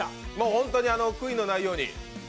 本当に悔いのないように。